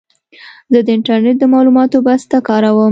زه د انټرنېټ د معلوماتو بسته کاروم.